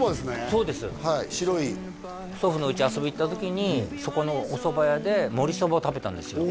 そうですはい白い祖父の家遊びに行った時にそこのおそば屋でもりそばを食べたんですよ